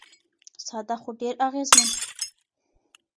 ساده خو ډېر اغېزمن.